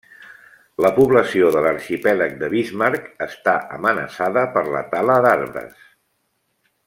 La població de l'arxipèlag de Bismarck està amenaçada per la tala d'arbres.